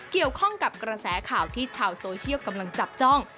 เกี่ยวข้องกับกระแสข่าวที่ชาวโซเชียลกำลังจับจ้อง